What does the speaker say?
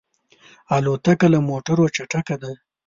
الوتکه له موټرو چټکه ده.